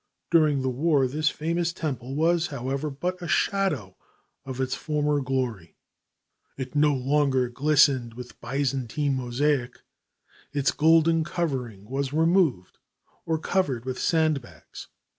During the war this famous temple was, however, but a shadow of its former glory. It no longer glistened with Byzantine mosaic. Its golden covering was removed or covered with sandbags.